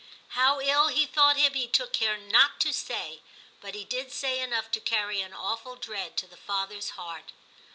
How ill he thought him he took care not to say, but he did say enough to carry an awful dread to the father's heart.